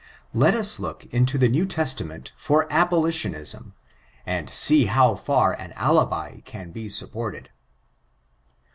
Let us look into the New Testament Hir ab^ilitionism, and see how far an alibi can be supported.